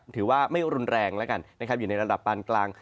ถือว่าไม่รุนแรงแล้วกันนะครับอยู่ในระดับปานกลาง